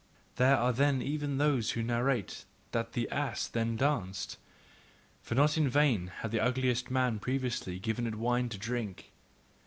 There are even those who narrate that the ass then danced: for not in vain had the ugliest man previously given it wine to drink.